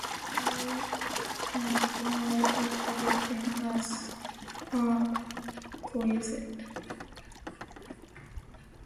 He received the hide and one leg of the victim as perquisite.